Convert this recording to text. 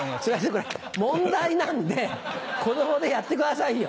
これ問題なんで子供でやってくださいよ。